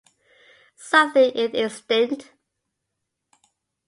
Some think it extinct.